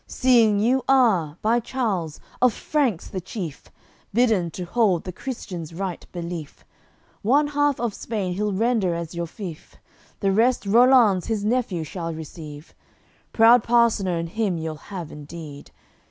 Seeing you are, by Charles, of Franks the chief, Bidden to hold the Christians' right belief. One half of Spain he'll render as your fief The rest Rollanz, his nephew, shall receive, Proud parcener in him you'll have indeed.